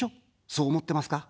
そう思ってますか。